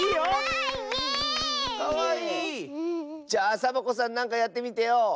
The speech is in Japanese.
じゃあサボ子さんなんかやってみてよ。